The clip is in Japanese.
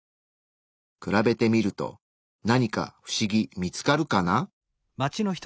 比べてみると何かフシギ見つかるかな？